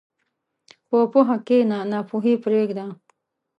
په پوهه کښېنه، ناپوهي پرېږده.